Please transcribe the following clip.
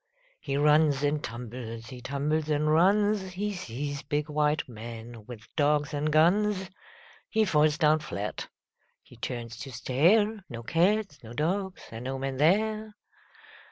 He runs and tumbles, he tumbles and runs. He sees big white men with dogs and guns. He falls down flat. H)e turns to stare — No cats, no dogs, and no men there.